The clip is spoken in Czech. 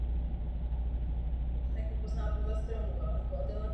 Rada pozorně monitoruje kritickou politickou a hospodářskou situaci v Zimbabwe.